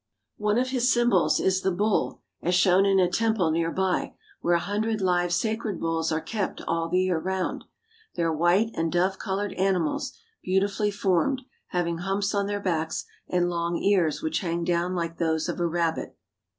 One of his symbols is the bull, as shown in a temple near by, where a hundred live sacred bulls are kept all the year round. They are white and dove colored animals, beautifully formed, having humps on their backs and long ears which hang down like those of a rabbit.